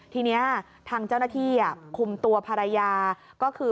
ทีนี้ทางเจ้าหน้าที่คุมตัวภรรยาก็คือ